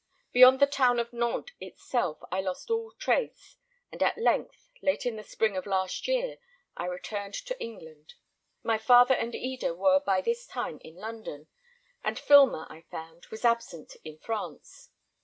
Beyond the town of Nantes itself I lost all trace, and at length, late in the spring of last year, I returned to England. My father and Eda were by this time in London; and Filmer, I found, was absent in France.